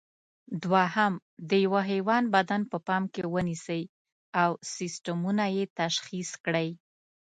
دوهم: د یوه حیوان بدن په پام کې ونیسئ او سیسټمونه یې تشخیص کړئ.